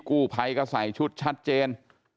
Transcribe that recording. กู้ภัยก็ใส่ชุดชัดเจน